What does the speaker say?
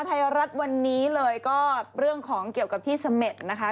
ไทยรัฐวันนี้เลยก็เรื่องของเกี่ยวกับที่เสม็ดนะคะ